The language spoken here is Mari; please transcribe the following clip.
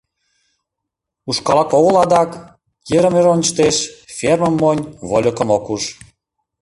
— Ушкалак огыл адак? — йырым-йыр ончыштеш, фермым монь, вольыкым ок уж.